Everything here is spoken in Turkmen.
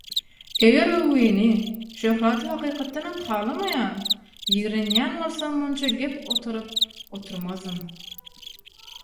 eger öwgüni, şöhraty hakykatdanam halamaýan, ýigrenýän bolsam munça gep otaryp oturmazdym.